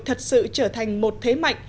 thật sự trở thành một thế mạnh